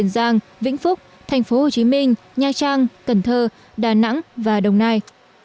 đàng vĩnh phúc tp hcm nha trang cần thơ đà nẵng và đồng nai